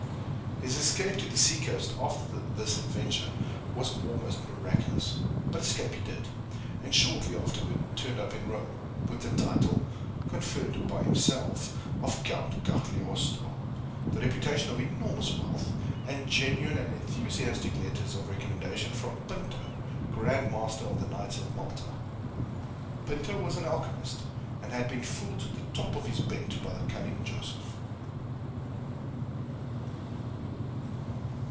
His escape to the seacoast after this adventure was almost miraculous; but escape he did, and shortly afterward turned up in Rome, with the title (conferred by himself) of Count Cagliostro, the reputation of enormous wealth, and genuine and enthusiastic letters of recommendation from Pinto, Grand Master of the Knights of Malta. Pinto was an alchymist, and had been fooled to the top of his bent by the cunning Joseph.